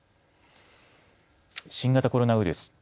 新型コロナウイルス。